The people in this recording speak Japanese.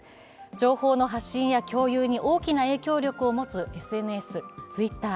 情報の発信や共有に大きな影響力を持つＳＮＳ、Ｔｗｉｔｔｅｒ。